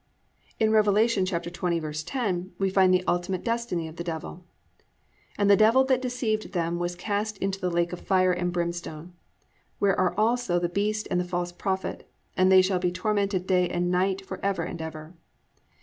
3. In Rev. 20:10 we find the ultimate destiny of the Devil: +"And the devil that deceived them was cast into the lake of fire and brimstone, where are also the beast and the false prophet; and they shall be tormented day and night for ever and ever."